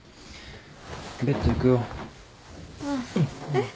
えっ？